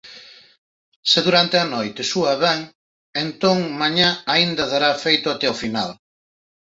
Se durante a noite súa ben, entón mañá aínda dará feito até o final.